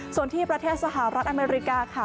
ส่วนที่ประเทศสหรัฐอเมริกาค่ะ